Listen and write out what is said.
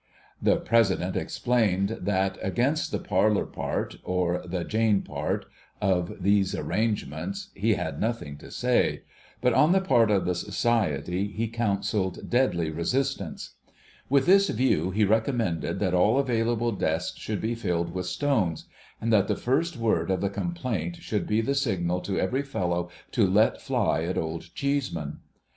The President explained that against the parlour part, or the Jane part, of these arrangements he had nothing to say ; but, on the part of the Society, he counselled deadly resistance, ^^'ith this view he reconmicnded that all available desks should be filled with stones, and that the first word of the complaint should be the signal to every fellow to let fly at Old Cheeseman.